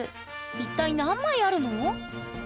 一体何枚あるの？